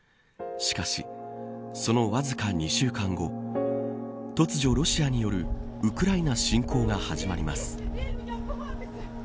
しかし、そのわずか２週間後突如ロシアによるウクライナ侵攻が始まります。